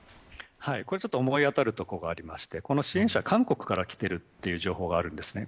ちょっと思い当たるところがありまして支援者、韓国から来ているという情報があるんですね。